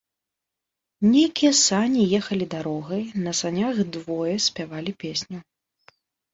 Нейкія сані ехалі дарогай, на санях двое спявалі песню.